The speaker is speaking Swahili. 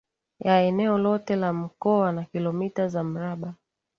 ya eneo lote la Mkoa na kilomita za mraba